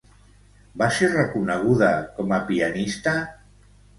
Va ser reconeguda com a pianista?